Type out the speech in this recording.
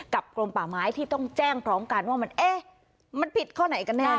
กรมป่าไม้ที่ต้องแจ้งพร้อมกันว่ามันเอ๊ะมันผิดข้อไหนกันแน่